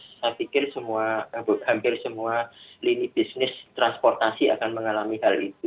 saya pikir hampir semua lini bisnis transportasi akan mengalami hal itu